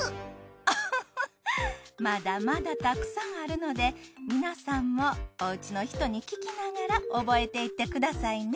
オホホまだまだたくさんあるので皆さんもお家の人に聞きながら覚えていってくださいね。